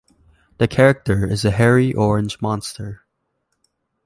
The character is a hairy, orange monster.